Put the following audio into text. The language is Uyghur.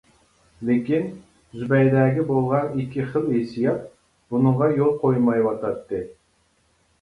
لېكىن، زۇبەيدەگە بولغان ئىككى خىل ھېسسىيات بۇنىڭغا يول قويمايۋاتاتتى.